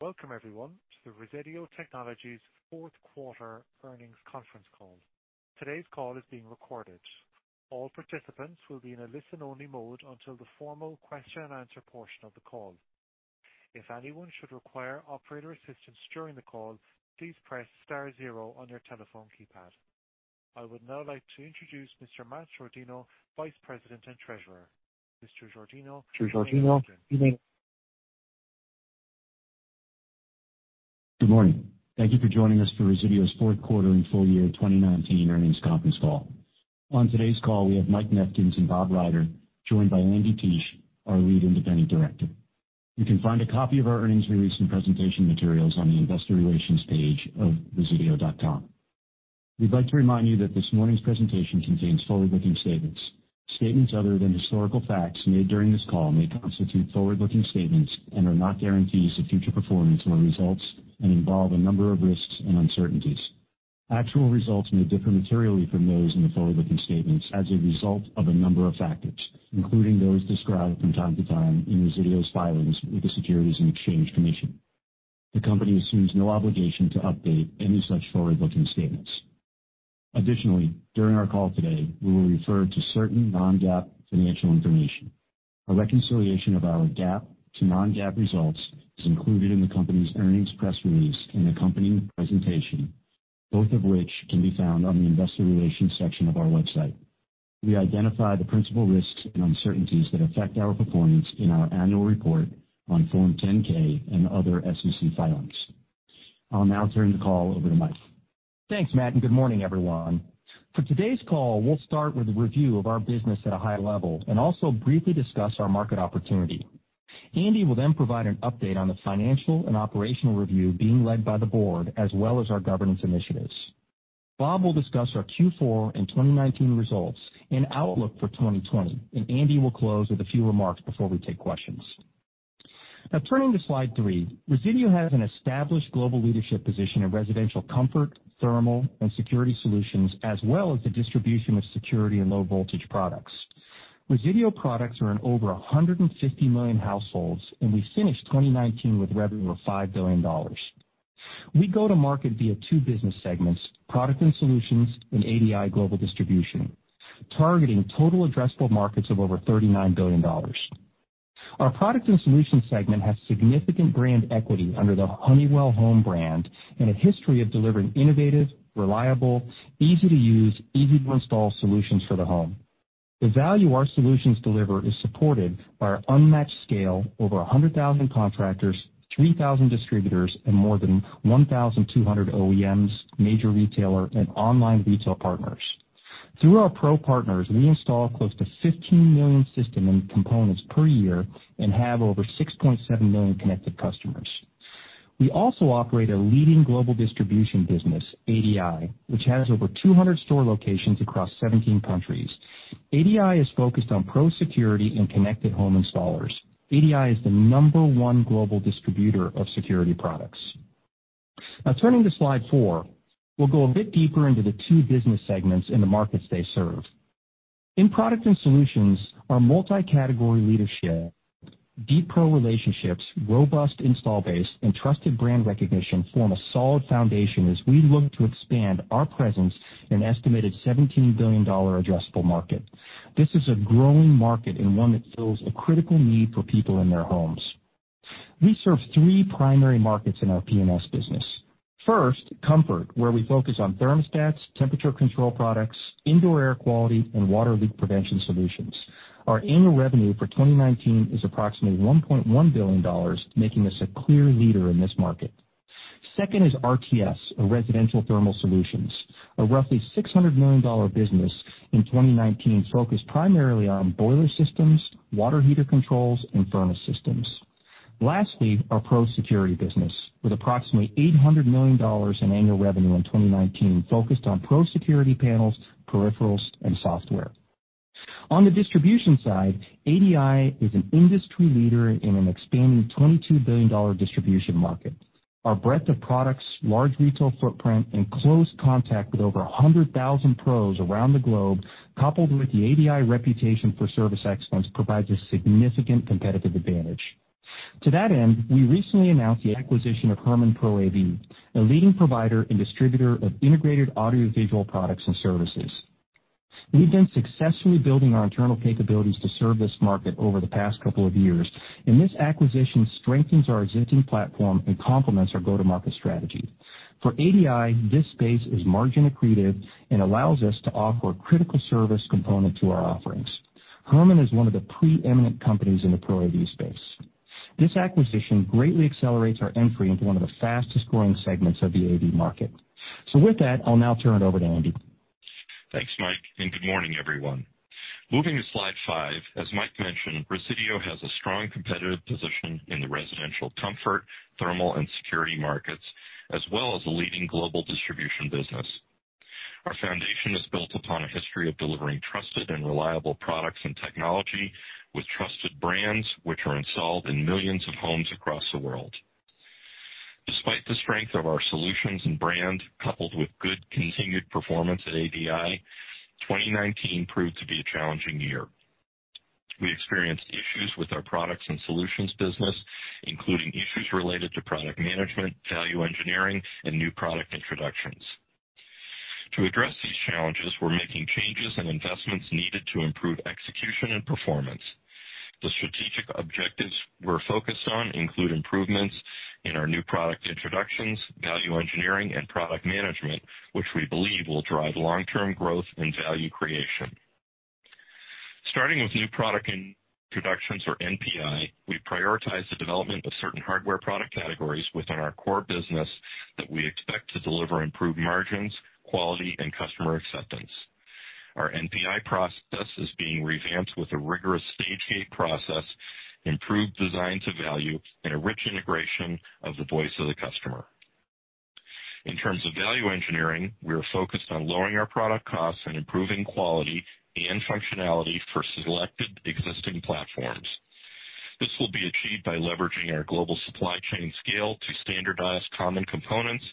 Welcome everyone to the Resideo Technologies Fourth Quarter Earnings Conference Call. Today's call is being recorded. All participants will be in a listen-only mode until the formal question and answer portion of the call. If anyone should require operator assistance during the call, please press star zero on your telephone keypad. I would now like to introduce Mr. Matt Giordano, Vice President and Treasurer. Mr. Giordano. Good morning. Thank you for joining us for Resideo's Fourth Quarter and Full Year 2019 Earnings Conference Call. On today's call, we have Mike Nefkens and Bob Ryder, joined by Andy Teich, our Lead Independent Director. You can find a copy of our earnings release and presentation materials on the Investor Relations page of resideo.com. We'd like to remind you that this morning's presentation contains forward-looking statements. Statements other than historical facts made during this call may constitute forward-looking statements and are not guarantees of future performance or results and involve a number of risks and uncertainties. Actual results may differ materially from those in the forward-looking statements as a result of a number of factors, including those described from time to time in Resideo's filings with the Securities and Exchange Commission. The company assumes no obligation to update any such forward-looking statements. Additionally, during our call today, we will refer to certain non-GAAP financial information. A reconciliation of our GAAP to non-GAAP results is included in the company's earnings press release and accompanying presentation, both of which can be found on the Investor Relations section of our website. We identify the principal risks and uncertainties that affect our performance in our annual report on Form 10-K and other SEC filings. I'll now turn the call over to Mike. Thanks, Matt, and good morning, everyone. For today's call, we'll start with a review of our business at a high level and also briefly discuss our market opportunity. Andy will then provide an update on the financial and operational review being led by the Board as well as our governance initiatives. Bob will discuss our Q4 and 2019 results and outlook for 2020. Andy will close with a few remarks before we take questions. Now turning to slide three, Resideo has an established global leadership position in residential comfort, thermal, and security solutions, as well as the distribution of security and low voltage products. Resideo products are in over 150 million households. We finished 2019 with revenue of $5 billion. We go to market via two business segments, Products & Solutions and ADI Global Distribution, targeting total addressable markets of over $39 billion. Our Products & Solutions segment has significant brand equity under the Honeywell Home brand and a history of delivering innovative, reliable, easy-to-use, easy-to-install solutions for the home. The value our solutions deliver is supported by our unmatched scale, over 100,000 contractors, 3,000 distributors, and more than 1,200 OEMs, major retailer, and online retail partners. Through our pro partners, we install close to 15 million system end components per year and have over 6.7 million connected customers. We also operate a leading global distribution business, ADI, which has over 200 store locations across 17 countries. ADI is focused on pro security and connected home installers. ADI is the number one global distributor of security products. Turning to slide four, we'll go a bit deeper into the two business segments and the markets they serve. In Products & Solutions, our multi-category leadership, deep Pro relationships, robust install base, and trusted brand recognition form a solid foundation as we look to expand our presence in an estimated $17 billion addressable market. This is a growing market and one that fills a critical need for people in their homes. We serve three primary markets in our P&S business. First, comfort, where we focus on thermostats, temperature control products, indoor air quality, and water leak prevention solutions. Our annual revenue for 2019 is approximately $1.1 billion, making us a clear leader in this market. Second is RTS, or Residential Thermal Solutions, a roughly $600 million business in 2019 focused primarily on boiler systems, water heater controls, and furnace systems. Lastly, our Pro security business with approximately $800 million in annual revenue in 2019 focused on Pro security panels, peripherals, and software. On the distribution side, ADI is an industry leader in an expanding $22 billion distribution market. Our breadth of products, large retail footprint, and close contact with over 100,000 pros around the globe, coupled with the ADI reputation for service excellence, provides a significant competitive advantage. To that end, we recently announced the acquisition of Herman Pro AV, a leading provider and distributor of integrated audio-visual products and services. We've been successfully building our internal capabilities to serve this market over the past couple of years, and this acquisition strengthens our existing platform and complements our go-to-market strategy. For ADI, this space is margin accretive and allows us to offer a critical service component to our offerings. Herman is one of the preeminent companies in the Pro AV space. This acquisition greatly accelerates our entry into one of the fastest-growing segments of the AV market. With that, I'll now turn it over to Andy. Thanks, Mike. Good morning, everyone. Moving to slide five. As Mike mentioned, Resideo has a strong competitive position in the residential comfort, thermal, and security markets, as well as a leading global distribution business. Our foundation is built upon a history of delivering trusted and reliable products and technology with trusted brands, which are installed in millions of homes across the world. Despite the strength of our solutions and brand, coupled with good continued performance at ADI, 2019 proved to be a challenging year. We experienced issues with our Products & Solutions business, including issues related to product management, value engineering, and new product introductions. To address these challenges, we're making changes and investments needed to improve execution and performance. The strategic objectives we're focused on include improvements in our new product introductions, value engineering, and product management, which we believe will drive long-term growth and value creation. Starting with new product introductions, or NPI, we prioritize the development of certain hardware product categories within our core business that we expect to deliver improved margins, quality, and customer acceptance. Our NPI process is being revamped with a rigorous stage gate process, improved design to value, and a rich integration of the voice of the customer. In terms of value engineering, we are focused on lowering our product costs and improving quality and functionality for selected existing platforms. This will be achieved by leveraging our global supply chain scale to standardize common components,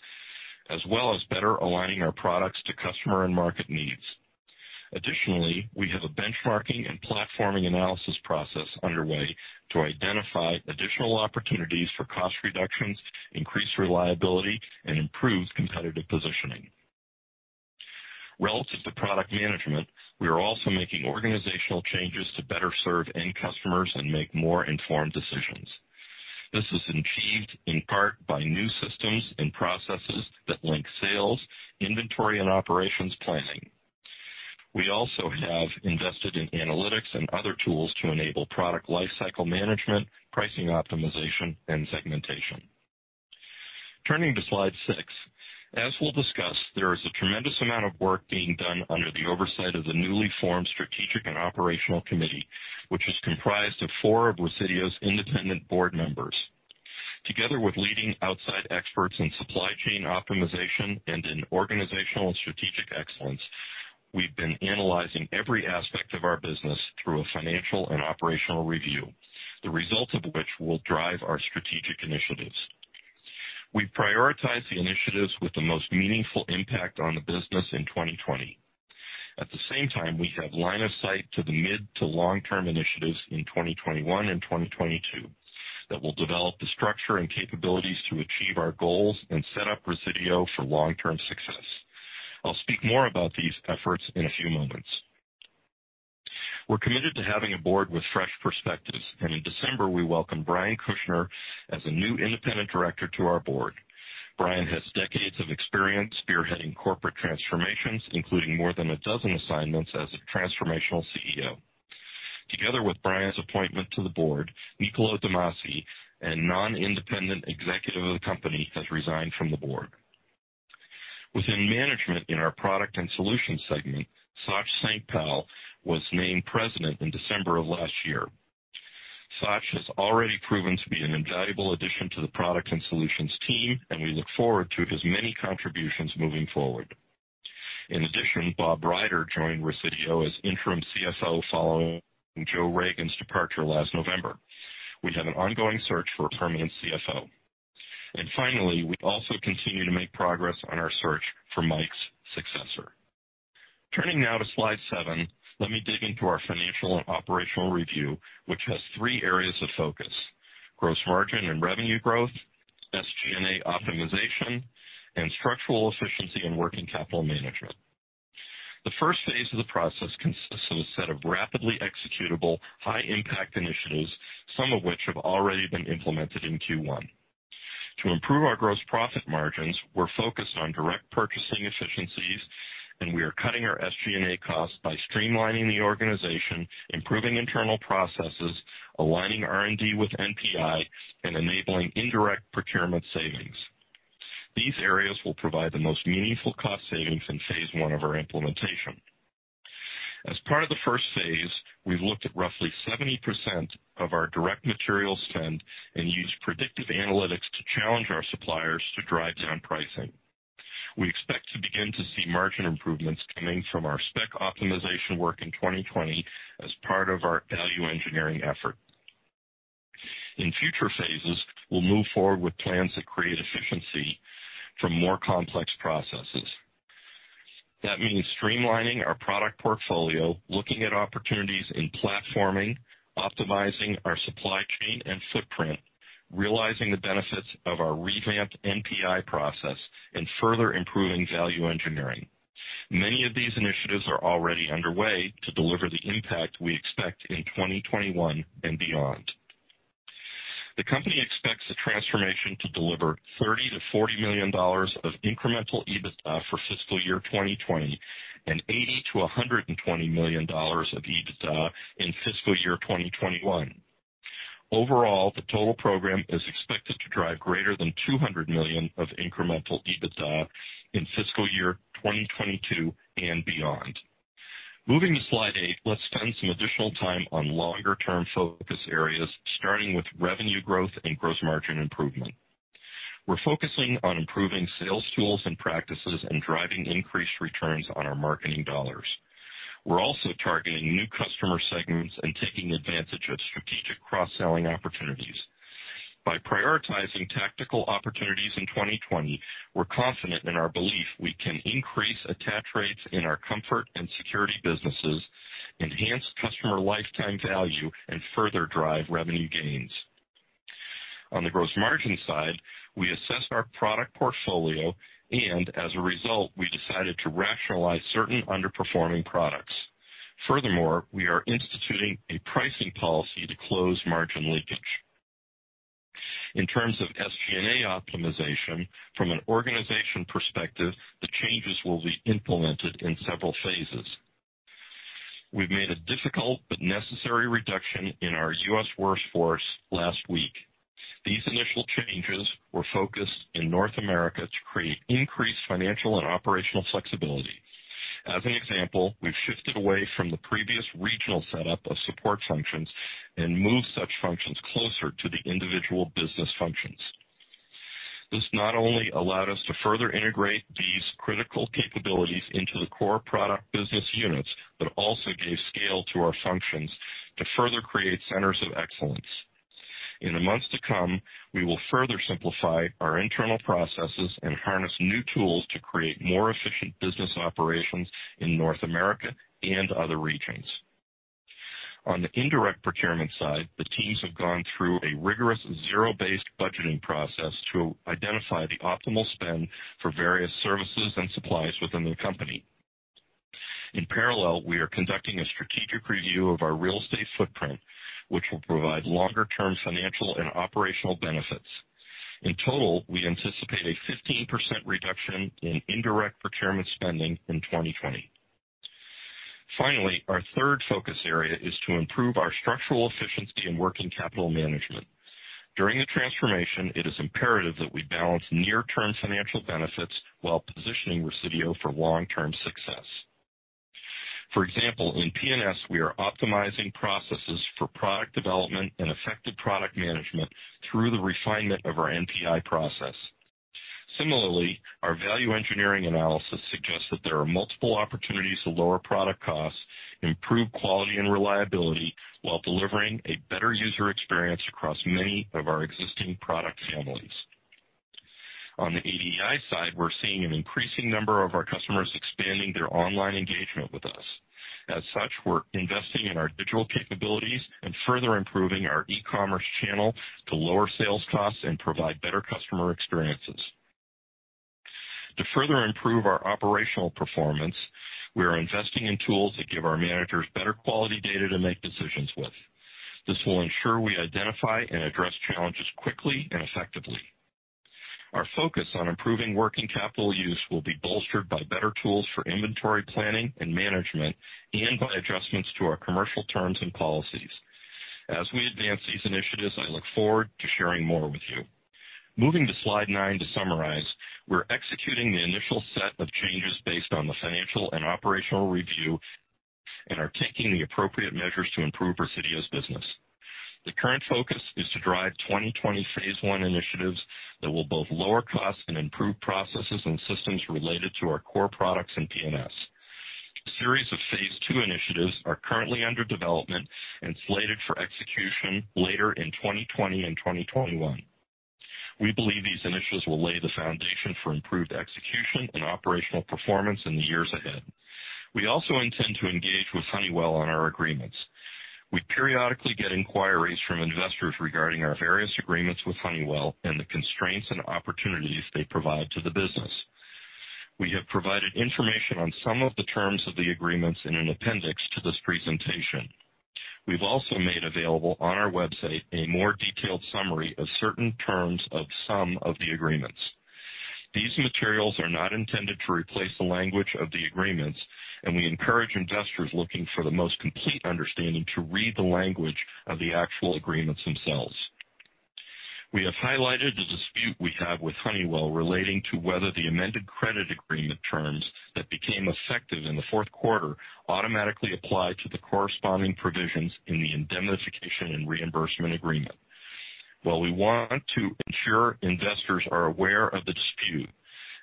as well as better aligning our products to customer and market needs. Additionally, we have a benchmarking and platforming analysis process underway to identify additional opportunities for cost reductions, increase reliability, and improve competitive positioning. Relative to product management, we are also making organizational changes to better serve end customers and make more informed decisions. This is achieved in part by new systems and processes that link sales, inventory, and operations planning. We also have invested in analytics and other tools to enable product life cycle management, pricing optimization, and segmentation. Turning to slide six. As we'll discuss, there is a tremendous amount of work being done under the oversight of the newly formed Strategic and Operational Committee, which is comprised of four of Resideo's independent board members. Together with leading outside experts in supply chain optimization and in organizational strategic excellence, we've been analyzing every aspect of our business through a financial and operational review, the result of which will drive our strategic initiatives. We prioritize the initiatives with the most meaningful impact on the business in 2020. At the same time, we have line of sight to the mid to long-term initiatives in 2021 and 2022 that will develop the structure and capabilities to achieve our goals and set up Resideo for long-term success. I'll speak more about these efforts in a few moments. We're committed to having a board with fresh perspectives, and in December, we welcomed Brian Kushner as a new Independent Director to our Board. Brian has decades of experience spearheading corporate transformations, including more than a dozen assignments as a transformational CEO. Together with Brian's appointment to the board, Niccolo de Masi, a Non-Independent Executive of the company, has resigned from the Board. Within management in our Products & Solutions segment, Sach Sankpal was named President in December of last year. Sach has already proven to be an invaluable addition to the Products & Solutions team, and we look forward to his many contributions moving forward. In addition, Bob Ryder joined Resideo as interim CFO following Joe Ragan's departure last November. We have an ongoing search for a permanent CFO. Finally, we also continue to make progress on our search for Mike's successor. Turning now to slide seven, let me dig into our financial and operational review, which has three areas of focus, gross margin and revenue growth, SG&A optimization, and structural efficiency and working capital management. The first phase of the process consists of a set of rapidly executable, high-impact initiatives, some of which have already been implemented in Q1. To improve our gross profit margins, we're focused on direct purchasing efficiencies and we are cutting our SG&A costs by streamlining the organization, improving internal processes, aligning R&D with NPI, and enabling indirect procurement savings. These areas will provide the most meaningful cost savings in phase I of our implementation. As part of the first phase, we've looked at roughly 70% of our direct material spend and used predictive analytics to challenge our suppliers to drive down pricing. We expect to begin to see margin improvements coming from our spec optimization work in 2020 as part of our value engineering effort. In future phases, we'll move forward with plans that create efficiency from more complex processes. That means streamlining our product portfolio, looking at opportunities in platforming, optimizing our supply chain and footprint, realizing the benefits of our revamped NPI process, and further improving value engineering. Many of these initiatives are already underway to deliver the impact we expect in 2021 and beyond. The company expects the transformation to deliver $30 million-$40 million of incremental EBITDA for fiscal year 2020 and $80 million-$120 million of EBITDA in fiscal year 2021. Overall, the total program is expected to drive greater than $200 million of incremental EBITDA in fiscal year 2022 and beyond. Moving to slide eight, let's spend some additional time on longer term focus areas, starting with revenue growth and gross margin improvement. We're focusing on improving sales tools and practices and driving increased returns on our marketing dollars. We're also targeting new customer segments and taking advantage of strategic cross-selling opportunities. By prioritizing tactical opportunities in 2020, we're confident in our belief we can increase attach rates in our comfort and security businesses, enhance customer lifetime value, and further drive revenue gains. On the gross margin side, we assessed our product portfolio, as a result, we decided to rationalize certain underperforming products. Furthermore, we are instituting a pricing policy to close margin leakage. In terms of SG&A optimization, from an organization perspective, the changes will be implemented in several phases. We've made a difficult but necessary reduction in our U.S. workforce last week. These initial changes were focused in North America to create increased financial and operational flexibility. As an example, we've shifted away from the previous regional setup of support functions and moved such functions closer to the individual business functions. This not only allowed us to further integrate these critical capabilities into the core product business units, also gave scale to our functions to further create centers of excellence. In the months to come, we will further simplify our internal processes and harness new tools to create more efficient business operations in North America and other regions. On the indirect procurement side, the teams have gone through a rigorous zero-based budgeting process to identify the optimal spend for various services and supplies within the company. In parallel, we are conducting a strategic review of our real estate footprint, which will provide longer-term financial and operational benefits. In total, we anticipate a 15% reduction in indirect procurement spending in 2020. Finally, our third focus area is to improve our structural efficiency in working capital management. During the transformation, it is imperative that we balance near-term financial benefits while positioning Resideo for long-term success. For example, in P&S, we are optimizing processes for product development and effective product management through the refinement of our NPI process. Similarly, our value engineering analysis suggests that there are multiple opportunities to lower product costs, improve quality and reliability, while delivering a better user experience across many of our existing product families. On the ADI side, we're seeing an increasing number of our customers expanding their online engagement with us. As such, we're investing in our digital capabilities and further improving our e-commerce channel to lower sales costs and provide better customer experiences. To further improve our operational performance, we are investing in tools that give our managers better quality data to make decisions with. This will ensure we identify and address challenges quickly and effectively. Our focus on improving working capital use will be bolstered by better tools for inventory planning and management and by adjustments to our commercial terms and policies. As we advance these initiatives, I look forward to sharing more with you. Moving to slide nine to summarize, we're executing the initial set of changes based on the financial and operational review and are taking the appropriate measures to improve Resideo's business. The current focus is to drive 2020 phase I initiatives that will both lower costs and improve processes and systems related to our core products in P&S. A series of phase II initiatives are currently under development and slated for execution later in 2020 and 2021. We believe these initiatives will lay the foundation for improved execution and operational performance in the years ahead. We also intend to engage with Honeywell on our agreements. We periodically get inquiries from investors regarding our various agreements with Honeywell and the constraints and opportunities they provide to the business. We have provided information on some of the terms of the agreements in an appendix to this presentation. We've also made available on our website a more detailed summary of certain terms of some of the agreements. These materials are not intended to replace the language of the agreements, and we encourage investors looking for the most complete understanding to read the language of the actual agreements themselves. We have highlighted the dispute we have with Honeywell relating to whether the amended credit agreement terms that became effective in the fourth quarter automatically apply to the corresponding provisions in the indemnification and reimbursement agreement. While we want to ensure investors are aware of the dispute,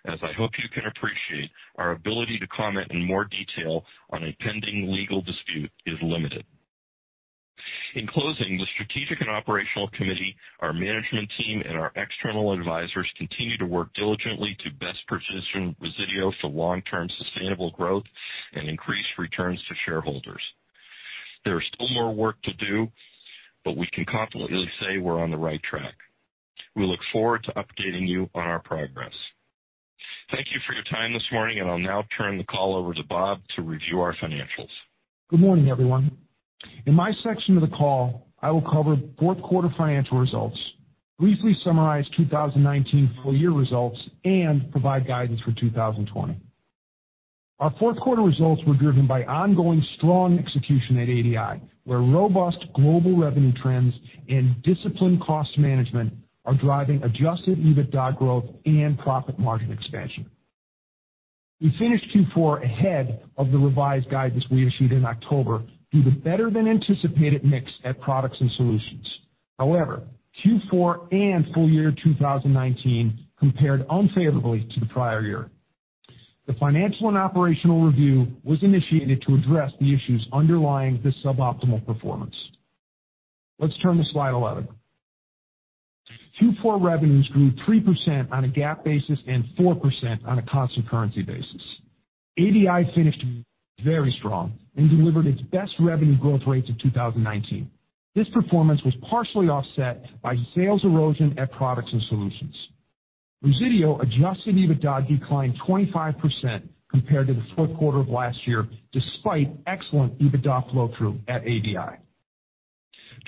as I hope you can appreciate, our ability to comment in more detail on a pending legal dispute is limited. In closing, the Strategic and Operational Committee, our management team, and our external advisors continue to work diligently to best position Resideo for long-term sustainable growth and increased returns to shareholders. There is still more work to do, but we can confidently say we're on the right track. We look forward to updating you on our progress. Thank you for your time this morning, and I'll now turn the call over to Bob to review our financials. Good morning, everyone. In my section of the call, I will cover fourth quarter financial results, briefly summarize 2019 full-year results, and provide guidance for 2020. Our fourth quarter results were driven by ongoing strong execution at ADI, where robust global revenue trends and disciplined cost management are driving adjusted EBITDA growth and profit margin expansion. We finished Q4 ahead of the revised guidance we issued in October due to better-than-anticipated mix at Products & Solutions. Q4 and full year 2019 compared unfavorably to the prior year. The financial and operational review was initiated to address the issues underlying this suboptimal performance. Let's turn to slide 11. Q4 revenues grew 3% on a GAAP basis and 4% on a constant currency basis. ADI finished very strong and delivered its best revenue growth rates in 2019. This performance was partially offset by sales erosion at Products & Solutions. Resideo adjusted EBITDA declined 25% compared to the fourth quarter of last year, despite excellent EBITDA flow-through at ADI.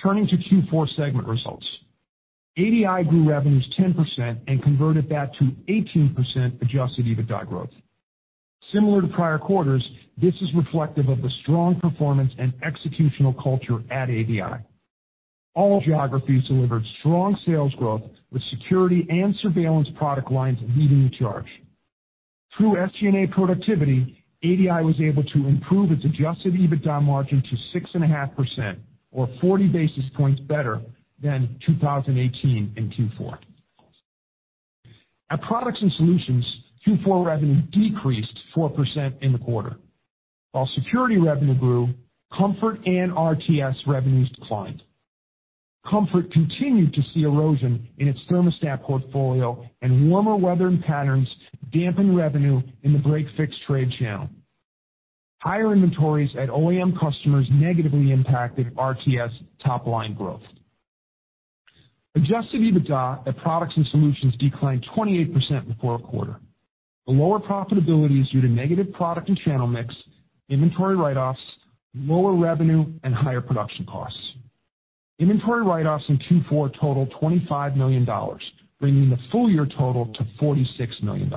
Turning to Q4 segment results. ADI grew revenues 10% and converted that to 18% adjusted EBITDA growth. Similar to prior quarters, this is reflective of the strong performance and executional culture at ADI. All geographies delivered strong sales growth, with security and surveillance product lines leading the charge. Through SG&A productivity, ADI was able to improve its adjusted EBITDA margin to 6.5%, or 40 basis points better than 2018 in Q4. At Products & Solutions, Q4 revenue decreased 4% in the quarter. While security revenue grew, comfort and RTS revenues declined. Comfort continued to see erosion in its thermostat portfolio, and warmer weather patterns dampened revenue in the break-fix trade channel. Higher inventories at OEM customers negatively impacted RTS top-line growth. Adjusted EBITDA at Products & Solutions declined 28% in the fourth quarter. The lower profitability is due to negative product and channel mix, inventory write-offs, lower revenue, and higher production costs. Inventory write-offs in Q4 totaled $25 million, bringing the full-year total to $46 million.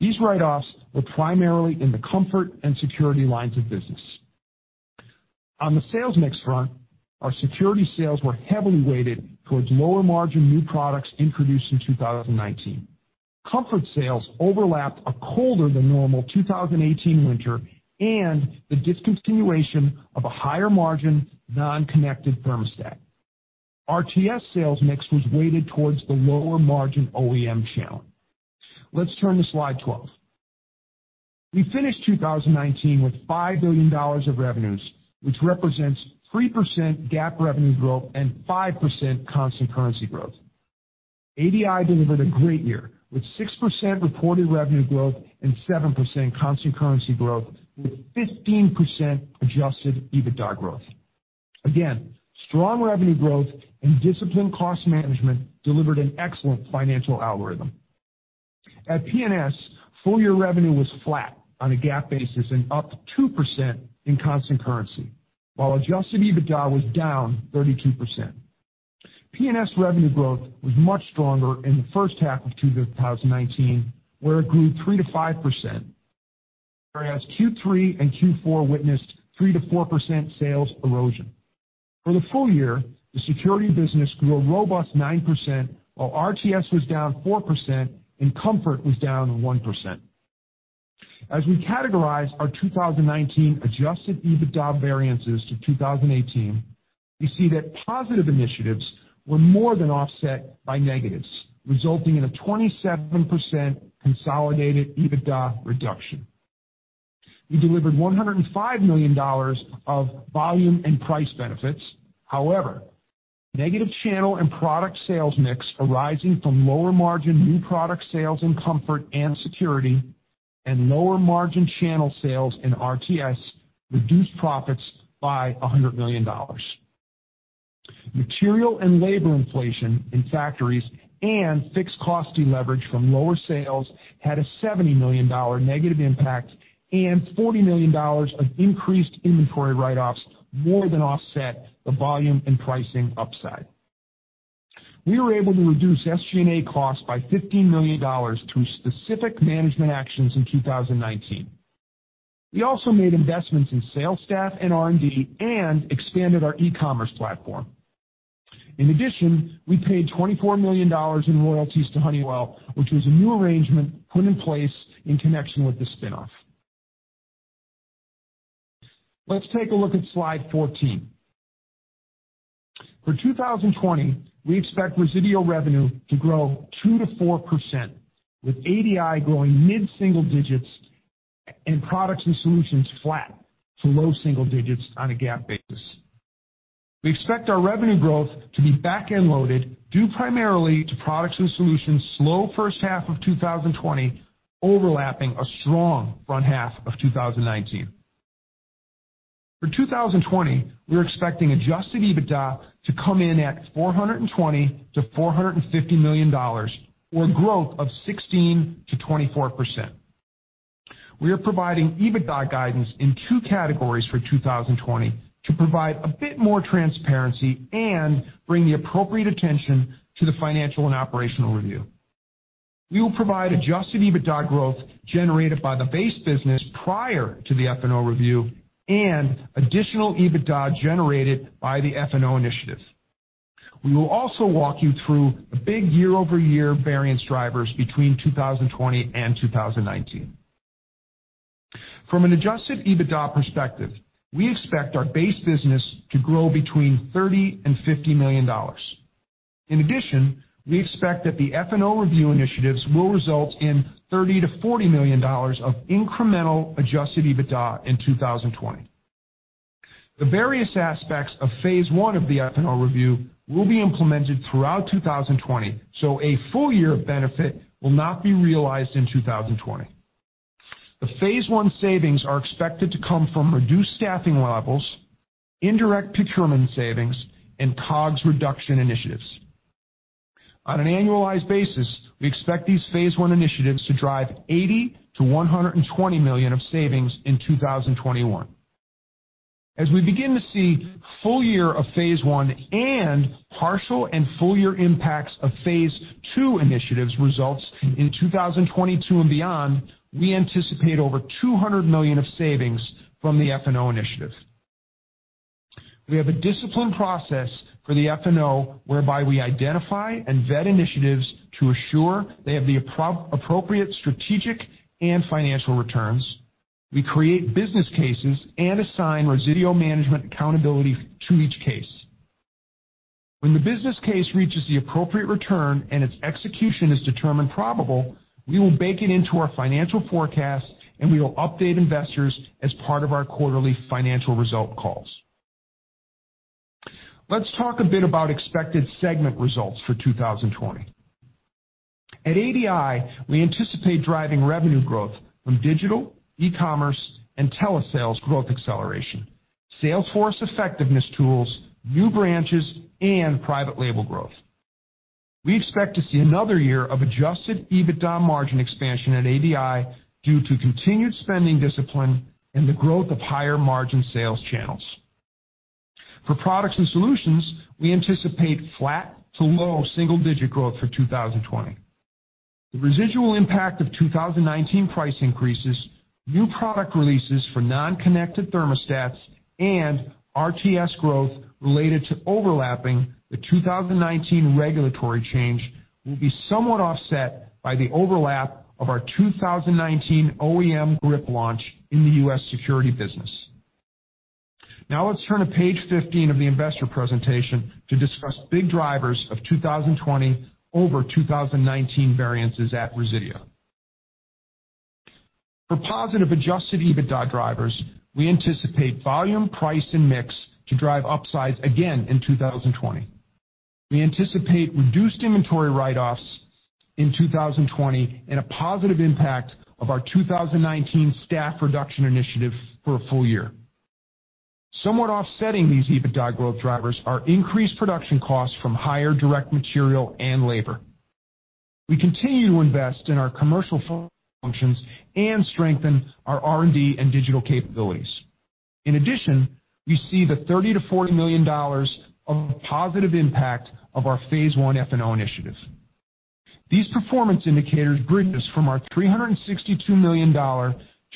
These write-offs were primarily in the comfort and security lines of business. On the sales mix front, our security sales were heavily weighted towards lower-margin new products introduced in 2019. Comfort sales overlapped a colder-than-normal 2018 winter and the discontinuation of a higher-margin, non-connected thermostat. RTS sales mix was weighted towards the lower-margin OEM channel. Let's turn to slide 12. We finished 2019 with $5 billion of revenues, which represents 3% GAAP revenue growth and 5% constant currency growth. ADI delivered a great year, with 6% reported revenue growth and 7% constant currency growth, with 15% adjusted EBITDA growth. Again, strong revenue growth and disciplined cost management delivered an excellent financial algorithm. At P&S, full-year revenue was flat on a GAAP basis and up 2% in constant currency, while adjusted EBITDA was down 32%. P&S revenue growth was much stronger in the first half of 2019, where it grew 3%-5%, whereas Q3 and Q4 witnessed 3%-4% sales erosion. For the full year, the security business grew a robust 9%, while RTS was down 4% and comfort was down 1%. As we categorize our 2019 adjusted EBITDA variances to 2018, we see that positive initiatives were more than offset by negatives, resulting in a 27% consolidated EBITDA reduction. We delivered $105 million of volume and price benefits. However, negative channel and product sales mix arising from lower-margin new product sales in comfort and security and lower-margin channel sales in RTS reduced profits by $100 million. Material and labor inflation in factories and fixed cost deleverage from lower sales had a $70 million negative impact, and $40 million of increased inventory write-offs more than offset the volume and pricing upside. We were able to reduce SG&A costs by $15 million through specific management actions in 2019. We also made investments in sales staff and R&D and expanded our e-commerce platform. In addition, we paid $24 million in royalties to Honeywell, which was a new arrangement put in place in connection with the spin-off. Let's take a look at slide 14. For 2020, we expect Resideo revenue to grow 2%-4%, with ADI growing mid-single digits and Products & Solutions flat to low single digits on a GAAP basis. We expect our revenue growth to be back-end loaded, due primarily to Products & Solutions' slow first half of 2020 overlapping a strong front half of 2019. For 2020, we're expecting adjusted EBITDA to come in at $420 million-$450 million, or a growth of 16%-24%. We are providing EBITDA guidance in two categories for 2020 to provide a bit more transparency and bring the appropriate attention to the financial and operational review. We will provide adjusted EBITDA growth generated by the base business prior to the F&O review and additional EBITDA generated by the F&O initiative. We will also walk you through the big year-over-year variance drivers between 2020 and 2019. From an adjusted EBITDA perspective, we expect our base business to grow between $30 million and $50 million. In addition, we expect that the F&O review initiatives will result in $30 million-$40 million of incremental adjusted EBITDA in 2020. The various aspects of phase I of the F&O review will be implemented throughout 2020. A full year of benefit will not be realized in 2020. The phase I savings are expected to come from reduced staffing levels, indirect procurement savings, and COGS reduction initiatives. On an annualized basis, we expect these phase I initiatives to drive $80 million-$120 million of savings in 2021. As we begin to see full year of phase I and partial and full year impacts of phase II initiatives results in 2020 and beyond, we anticipate over $200 million of savings from the F&O initiative. We have a disciplined process for the F&O whereby we identify and vet initiatives to assure they have the appropriate strategic and financial returns. We create business cases and assign Resideo management accountability to each case. When the business case reaches the appropriate return and its execution is determined probable, we will bake it into our financial forecast, and we will update investors as part of our quarterly financial result calls. Let's talk a bit about expected segment results for 2020. At ADI, we anticipate driving revenue growth from digital, e-commerce, and telesales growth acceleration, sales force effectiveness tools, new branches, and private label growth. We expect to see another year of adjusted EBITDA margin expansion at ADI due to continued spending discipline and the growth of higher margin sales channels. For Products & Solutions, we anticipate flat to low single-digit growth for 2020. The residual impact of 2019 price increases, new product releases for non-connected thermostats, and RTS growth related to overlapping the 2019 regulatory change will be somewhat offset by the overlap of our 2019 OEM GRIP launch in the U.S. security business. Let's turn to page 15 of the investor presentation to discuss big drivers of 2020 over 2019 variances at Resideo. For positive adjusted EBITDA drivers, we anticipate volume, price, and mix to drive upsides again in 2020. We anticipate reduced inventory write-offs in 2020 and a positive impact of our 2019 staff reduction initiative for a full year. Somewhat offsetting these EBITDA growth drivers are increased production costs from higher direct material and labor. We continue to invest in our commercial functions and strengthen our R&D and digital capabilities. We see the $30 million-$40 million of positive impact of our phase I F&O initiative. These performance indicators bring us from our $362 million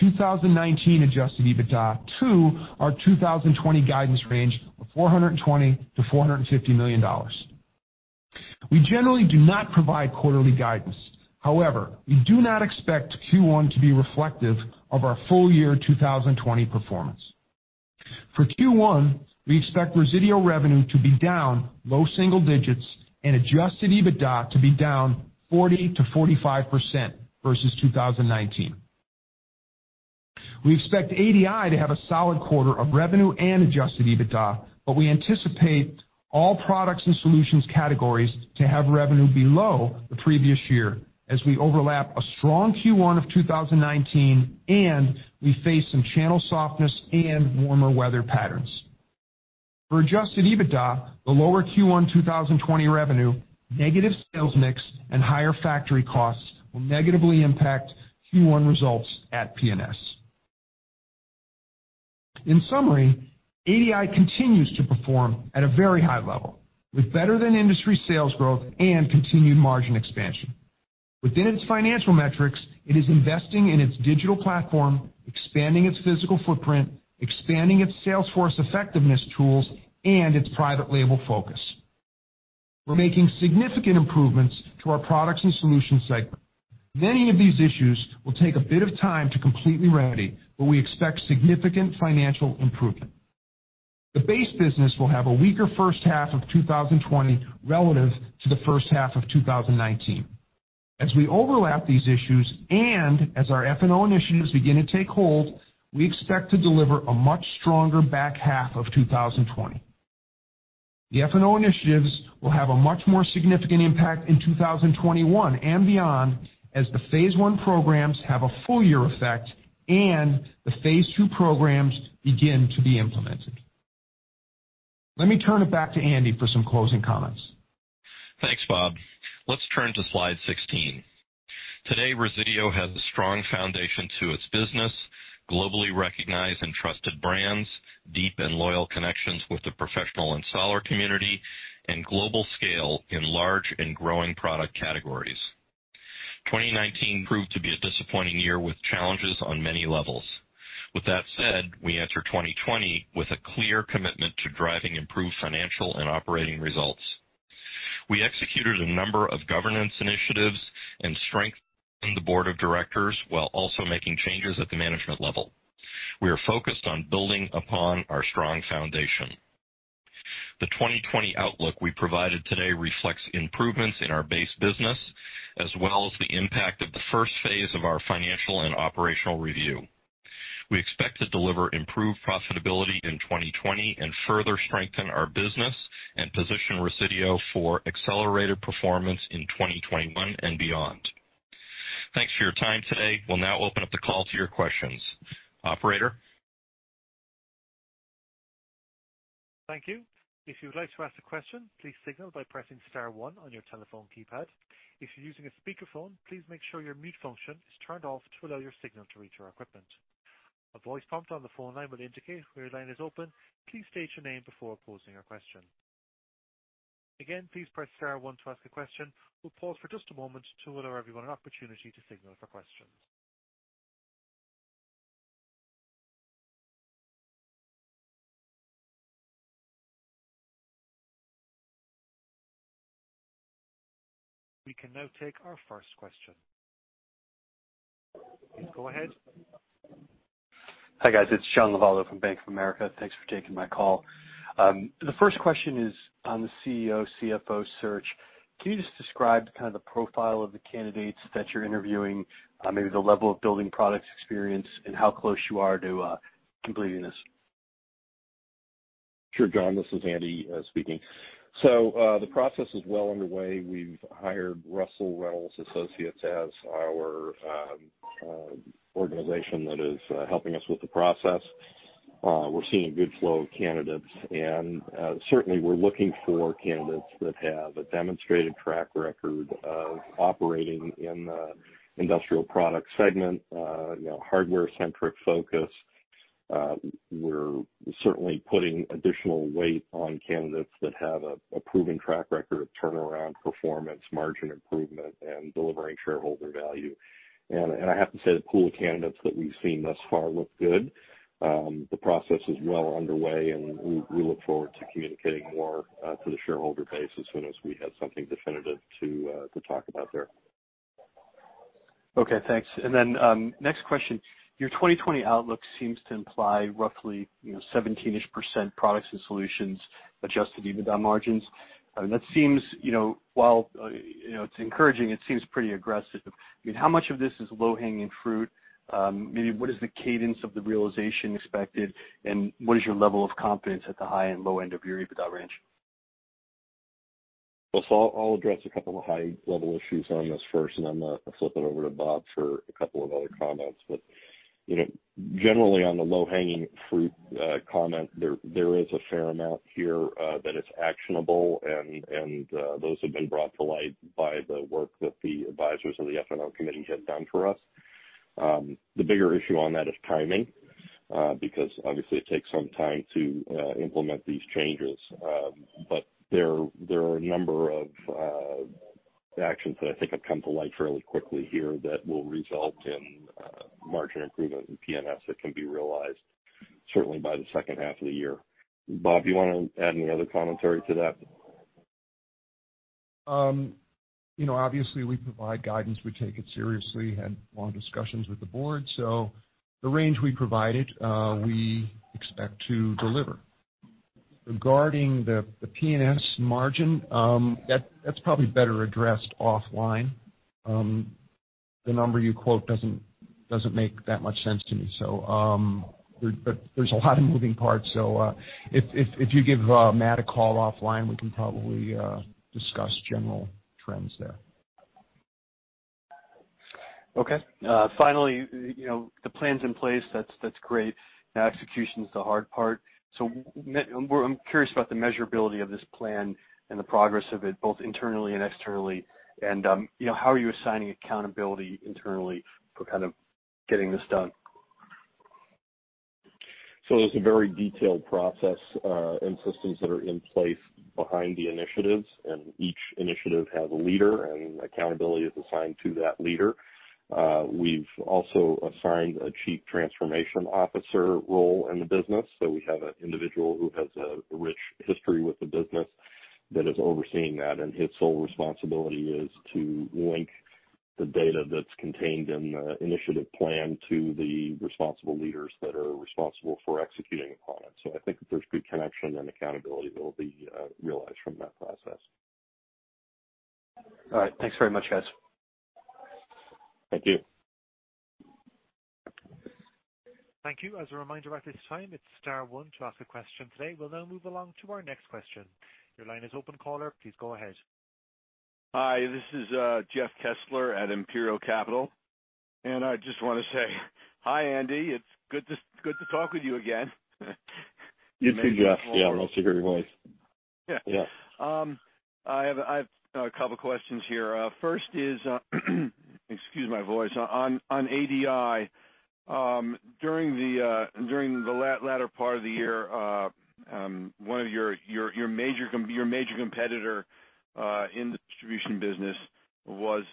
2019 adjusted EBITDA to our 2020 guidance range of $420 million-$450 million. We generally do not provide quarterly guidance. However, we do not expect Q1 to be reflective of our full year 2020 performance. For Q1, we expect Resideo revenue to be down low single digits and adjusted EBITDA to be down 40%-45% versus 2019. We expect ADI to have a solid quarter of revenue and adjusted EBITDA, but we anticipate all products and solutions categories to have revenue below the previous year as we overlap a strong Q1 of 2019, and we face some channel softness and warmer weather patterns. For adjusted EBITDA, the lower Q1 2020 revenue, negative sales mix, and higher factory costs will negatively impact Q1 results at P&S. In summary, ADI continues to perform at a very high level with better-than-industry sales growth and continued margin expansion. Within its financial metrics, it is investing in its digital platform, expanding its physical footprint, expanding its sales force effectiveness tools, and its private label focus. We're making significant improvements to our Products & Solutions segment. Many of these issues will take a bit of time to completely remedy, but we expect significant financial improvement. The base business will have a weaker first half of 2020 relative to the first half of 2019. As we overlap these issues and as our F&O initiatives begin to take hold, we expect to deliver a much stronger back half of 2020. The F&O initiatives will have a much more significant impact in 2021 and beyond as the phase I programs have a full year effect and the phase II programs begin to be implemented. Let me turn it back to Andy for some closing comments. Thanks, Bob. Let's turn to slide 16. Today, Resideo has a strong foundation to its business, globally recognized and trusted brands, deep and loyal connections with the professional installer community, and global scale in large and growing product categories. 2019 proved to be a disappointing year with challenges on many levels. With that said, we enter 2020 with a clear commitment to driving improved financial and operating results. We executed a number of governance initiatives and strengthened the board of directors while also making changes at the management level. We are focused on building upon our strong foundation. The 2020 outlook we provided today reflects improvements in our base business, as well as the impact of the first phase of our financial and operational review. We expect to deliver improved profitability in 2020 and further strengthen our business and position Resideo for accelerated performance in 2021 and beyond. Thanks for your time today. We'll now open up the call to your questions. Operator? Thank you. If you would like to ask a question, please signal by pressing star one on your telephone keypad. If you're using a speakerphone, please make sure your mute function is turned off to allow your signal to reach our equipment. A voice prompt on the phone line will indicate when your line is open. Please state your name before posing a question. Again, please press star one to ask a question. We'll pause for just a moment to allow everyone an opportunity to signal for questions. We can now take our first question. Please go ahead. Hi, guys. It's John Lovallo from Bank of America. Thanks for taking my call. The first question is on the CEO, CFO search. Can you just describe kind of the profile of the candidates that you're interviewing, maybe the level of building products experience, and how close you are to completing this? Sure, John. This is Andy speaking. The process is well underway. We've hired Russell Reynolds Associates as our organization that is helping us with the process. We're seeing a good flow of candidates and certainly we're looking for candidates that have a demonstrated track record of operating in the industrial products segment, hardware centric focus. We're certainly putting additional weight on candidates that have a proven track record of turnaround performance, margin improvement and delivering shareholder value. I have to say, the pool of candidates that we've seen thus far look good. The process is well underway, and we look forward to communicating more to the shareholder base as soon as we have something definitive to talk about there. Okay, thanks. Next question. Your 2020 outlook seems to imply roughly 17%-ish Products & Solutions adjusted EBITDA margins. While it's encouraging, it seems pretty aggressive. How much of this is low-hanging fruit? Maybe what is the cadence of the realization expected, and what is your level of confidence at the high and low end of your EBITDA range? I'll address a couple of high-level issues on this first, and then I'll flip it over to Bob for a couple of other comments. Generally on the low-hanging fruit comment, there is a fair amount here that is actionable, and those have been brought to light by the work that the advisors of the F&O committee had done for us. The bigger issue on that is timing because obviously it takes some time to implement these changes. There are a number of actions that I think have come to light fairly quickly here that will result in margin improvement and P&S that can be realized certainly by the second half of the year. Bob, you want to add any other commentary to that? Obviously we provide guidance. We take it seriously. We had long discussions with the board. The range we provided we expect to deliver. Regarding the P&S margin, that's probably better addressed offline. The number you quote doesn't make that much sense to me. There's a lot of moving parts, so if you give Matt a call offline, we can probably discuss general trends there. Okay. Finally, the plan's in place. That's great. Now execution's the hard part. I'm curious about the measurability of this plan and the progress of it, both internally and externally. How are you assigning accountability internally for kind of getting this done? There's a very detailed process and systems that are in place behind the initiatives, and each initiative has a leader, and accountability is assigned to that leader. We've also assigned a chief transformation officer role in the business. We have an individual who has a rich history with the business that is overseeing that, and his sole responsibility is to link the data that's contained in the initiative plan to the responsible leaders that are responsible for executing upon it. I think that there's good connection and accountability that will be realized from that process. All right. Thanks very much, guys. Thank you. Thank you. As a reminder at this time, it's star one to ask a question today. We'll now move along to our next question. Your line is open, caller. Please go ahead. Hi, this is Jeff Kessler at Imperial Capital. I just want to say hi, Andy. It's good to talk with you again. You too, Jeff. Nice to hear your voice. Yeah. Yeah. I have a couple questions here. First is excuse my voice. On ADI, during the latter part of the year your major competitor in the distribution business was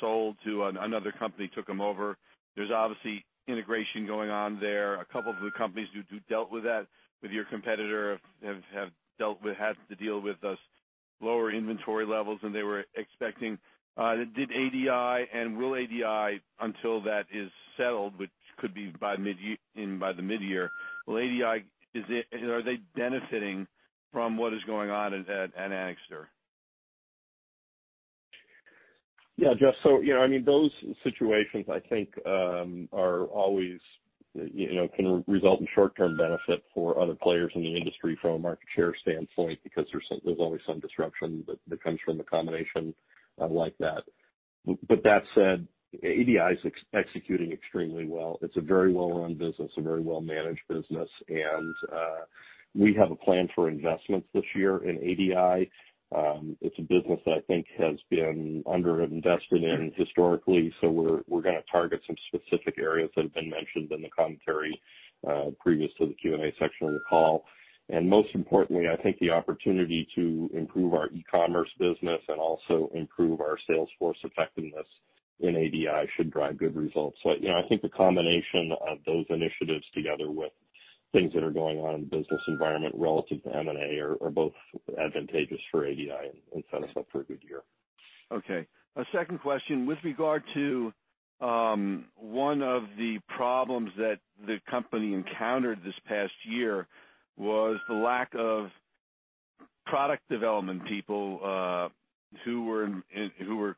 sold to another company, took them over. There is obviously integration going on there. A couple of the companies who dealt with that, with your competitor, have had to deal with those lower inventory levels than they were expecting. Did ADI and will ADI, until that is settled, which could be by the midyear, are they benefiting from what is going on at [Astor]? Yeah, Jeff. Those situations, I think, can result in short-term benefit for other players in the industry from a market share standpoint, because there's always some disruption that comes from a combination like that. That said, ADI's executing extremely well. It's a very well-run business, a very well-managed business. We have a plan for investments this year in ADI. It's a business that I think has been under-invested in historically. We're going to target some specific areas that have been mentioned in the commentary previous to the Q&A section of the call. Most importantly, I think the opportunity to improve our e-commerce business and also improve our sales force effectiveness in ADI should drive good results. I think the combination of those initiatives, together with things that are going on in the business environment relative to M&A, are both advantageous for ADI and set us up for a good year. Okay. A second question. With regard to one of the problems that the company encountered this past year was the lack of product development people who were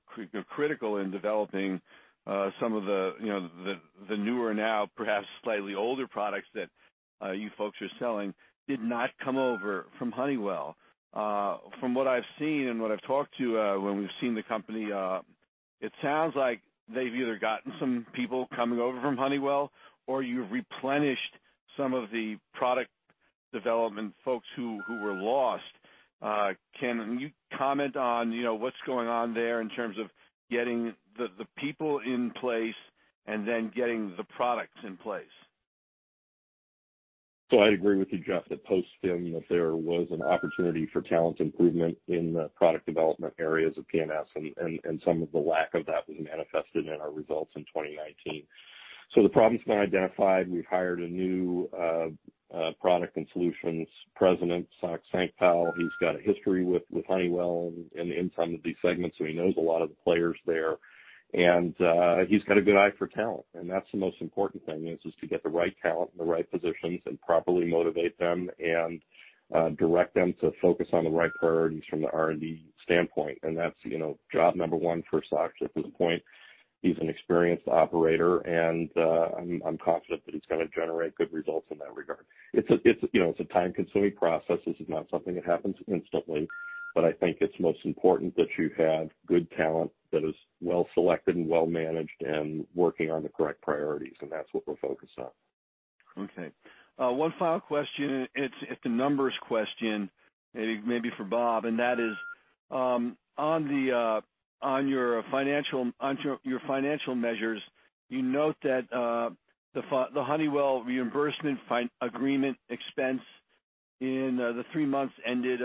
critical in developing some of the newer, now perhaps slightly older products that you folks are selling, did not come over from Honeywell. From what I've seen and what I've talked to when we've seen the company, it sounds like they've either gotten some people coming over from Honeywell, or you've replenished some of the product development folks who were lost. Can you comment on what's going on there in terms of getting the people in place and then getting the products in place? I'd agree with you, Jeff, that post-SPIN, that there was an opportunity for talent improvement in the product development areas of P&S, and some of the lack of that was manifested in our results in 2019. The problem's been identified. We've hired a new product and solutions president, Sach Sankpal. He's got a history with Honeywell and in some of these segments, so he knows a lot of the players there. He's got a good eye for talent, and that's the most important thing is to get the right talent in the right positions and properly motivate them and direct them to focus on the right priorities from the R&D standpoint. That's job number one for Sach at this point. He's an experienced operator, and I'm confident that he's going to generate good results in that regard. It's a time-consuming process. This is not something that happens instantly, but I think it's most important that you have good talent that is well selected and well managed and working on the correct priorities, and that's what we're focused on. Okay. One final question. It's a numbers question, maybe for Bob, and that is, on your financial measures, you note that the Honeywell reimbursement agreement expense in the three months ended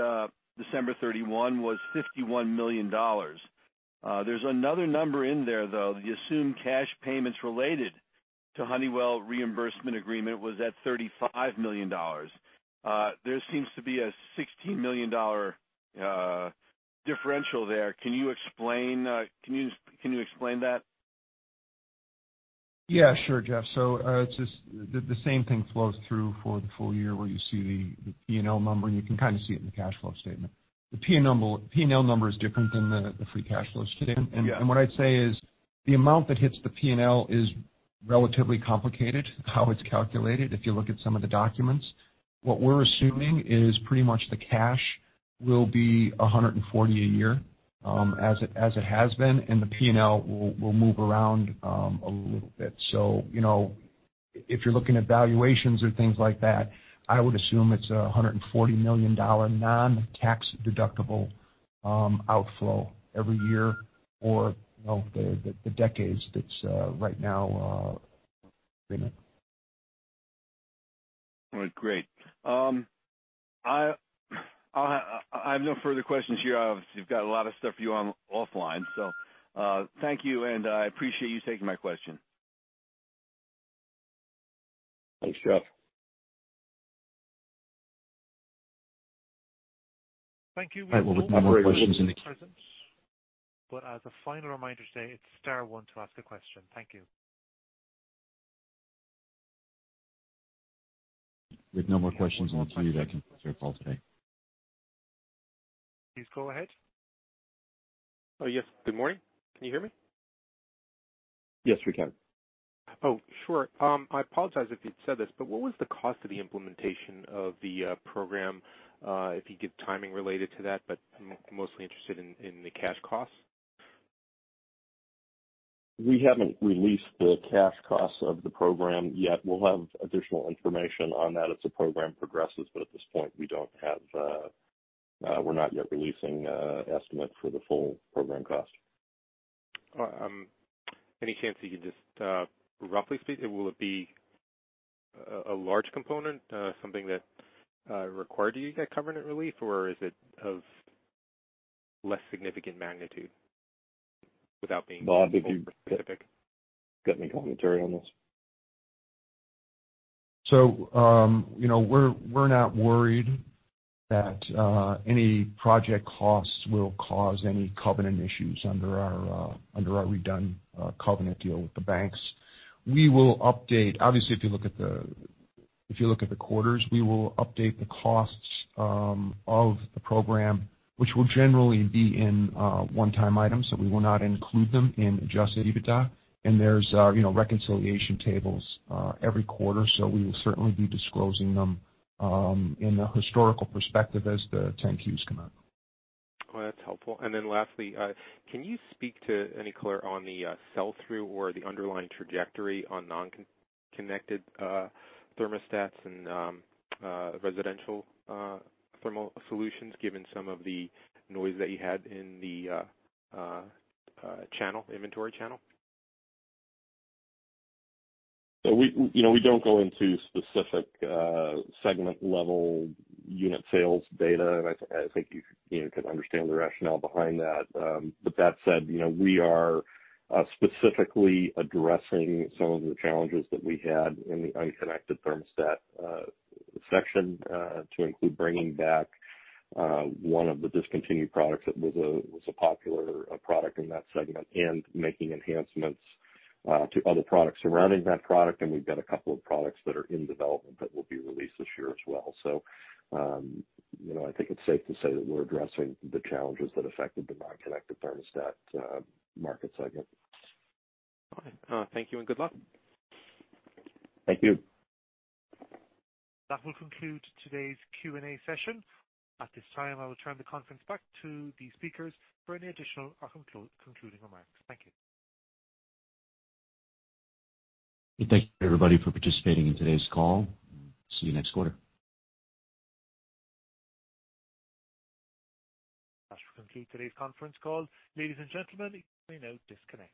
December 31 was $51 million. There's another number in there, though. The assumed cash payments related to Honeywell reimbursement agreement was at $35 million. There seems to be a $16 million differential there. Can you explain that? Yeah, sure, Jeff. It's just the same thing flows through for the full year where you see the P&L number, and you can kind of see it in the cash flow statement. The P&L number is different than the free cash flow statement. Yeah. What I'd say is the amount that hits the P&L is relatively complicated, how it's calculated, if you look at some of the documents. What we're assuming is pretty much the cash will be $140 a year, as it has been, and the P&L will move around a little bit. If you're looking at valuations or things like that, I would assume it's a $140 million non-tax deductible outflow every year for the decades that's right now agreement. All right, great. I have no further questions here. You've got a lot of stuff offline. Thank you, and I appreciate you taking my question. Thanks, Jeff. Thank you. We have no more questions at present. As a final reminder today, it's star one to ask a question. Thank you. With no more questions, I'll conclude our conference call today. Please go ahead. Oh, yes. Good morning. Can you hear me? Yes, we can. Sure. I apologize if you'd said this. What was the cost of the implementation of the program? If you'd give timing related to that. I'm mostly interested in the cash costs. We haven't released the cash costs of the program yet. We'll have additional information on that as the program progresses. At this point, we're not yet releasing an estimate for the full program cost. Any chance you can just roughly speak? Will it be a large component, something that required you to get covenant relief, or is it of less significant magnitude, without being specific? Bob, have you got any commentary on this? We're not worried that any project costs will cause any covenant issues under our redone covenant deal with the banks. We will update. Obviously, if you look at the quarters, we will update the costs of the program, which will generally be in one-time items, so we will not include them in adjusted EBITDA. There's reconciliation tables every quarter, so we will certainly be disclosing them in a historical perspective as the Form 10-Qs come out. Oh, that's helpful. Lastly, can you speak to any color on the sell-through or the underlying trajectory on non-connected thermostats and Residential Thermal Solutions, given some of the noise that you had in the inventory channel? We don't go into specific segment-level unit sales data, and I think you can understand the rationale behind that. That said, we are specifically addressing some of the challenges that we had in the unconnected thermostat section, to include bringing back one of the discontinued products that was a popular product in that segment, and making enhancements to other products surrounding that product. We've got a couple of products that are in development that will be released this year as well. I think it's safe to say that we're addressing the challenges that affected the non-connected thermostat market segment. Okay. Thank you, and good luck. Thank you. That will conclude today's Q&A session. At this time, I will turn the conference back to the speakers for any additional or concluding remarks. Thank you. Thank you, everybody, for participating in today's call, and see you next quarter. That will conclude today's conference call. Ladies and gentlemen, you may now disconnect.